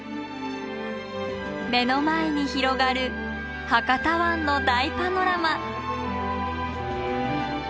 目の前に広がる博多湾の大パノラマ。